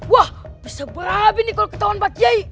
wah bisa berapi nih kalau ketahuan pak jai